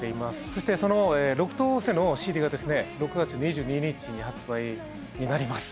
そしてその『六等星』のＣＤがですね６月２２日に発売になります。